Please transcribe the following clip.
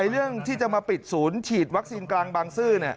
เรื่องที่จะมาปิดศูนย์ฉีดวัคซีนกลางบางซื่อ